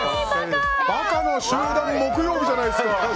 馬鹿の集団木曜日じゃないですか。